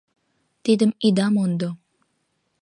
Тидым ида мондо!